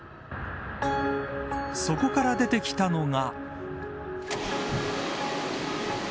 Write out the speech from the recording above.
そこから出てきたのが。